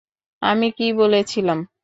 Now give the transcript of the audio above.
আমি কি বলেছিলাম?